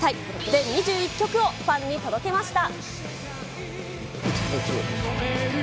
全２１曲をファンに届けました。